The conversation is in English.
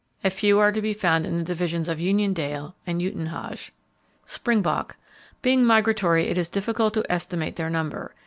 A few are to be found in the divisions of Uniondale and Uitenhage. Springbok: Being migratory, it is difficult to estimate their number.